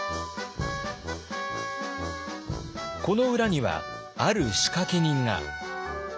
この裏にはある仕掛け人が。